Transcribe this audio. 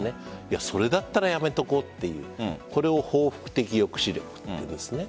それだったらやめておこうというこれを報復的抑止力といいます。